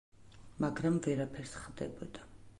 მაგრამ ვერაფერს ხდებოდა.